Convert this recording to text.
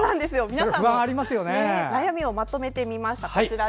皆さんの悩みまとめてみました。